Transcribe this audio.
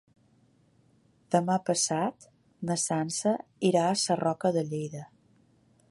Demà passat na Sança irà a Sarroca de Lleida.